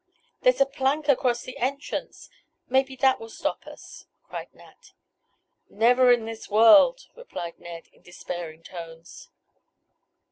"There's a plank across the entrance! Maybe that will stop us!" cried Nat. "Never in this world!" replied Ned, in despairing tones.